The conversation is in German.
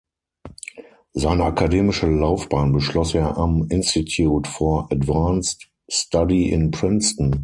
Seine akademische Laufbahn beschloss er am Institute for Advanced Study in Princeton.